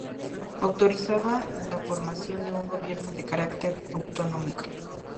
Autorizaba la formación de un gobierno de carácter autonómico.